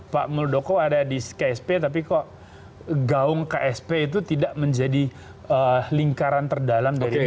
pak muldoko ada di ksp tapi kok gaung ksp itu tidak menjadi lingkaran terdalam dari pdi